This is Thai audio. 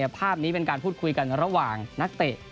ภาพนี้เป็นการพูดคุยกันระหว่างนักเตะ